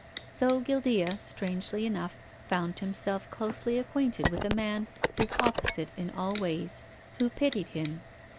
So Guildea, strangely enough, found himself closely acquainted with a man — his opposite in all ways, — who pitied him.